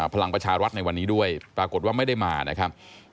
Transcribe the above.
พลังประชารัฐในวันนี้ด้วยปรากฏว่าไม่ได้มานะครับ